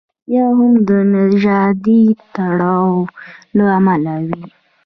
یا هم د نژادي تړاو له امله وي.